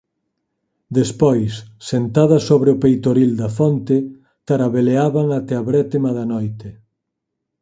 despois, sentadas sobre o peitoril da fonte, tarabeleaban ata a brétema da noite.